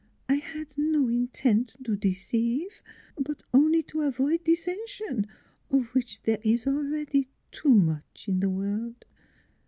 I had no intent to deceive, but only to avoid dissension of which there is al ready too much in the world.